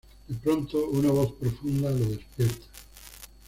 De pronto una voz profunda lo despierta.